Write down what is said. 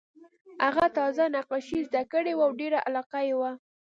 هغه تازه نقاشي زده کړې وه او ډېره علاقه یې وه